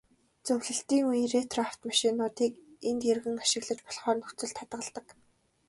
Зөвлөлтийн үеийн ретро автомашинуудыг энд эргэн ашиглаж болохоор нөхцөлд хадгалдаг.